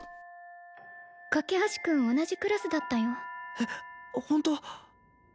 架橋君同じクラスだったよえっホント！？